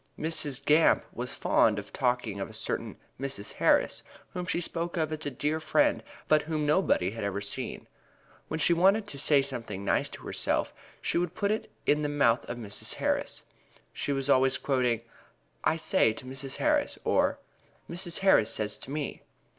Mrs. Gamp was fond of talking of a certain "Mrs. Harris," whom she spoke of as a dear friend, but whom nobody else had ever seen. When she wanted to say something nice of herself she would put it in the mouth of Mrs. Harris. She was always quoting, "I says to Mrs. Harris," or "Mrs. Harris says to me."